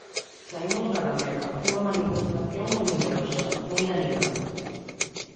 Saímos da Alameda, unha manifestación moi numerosa, moi animada.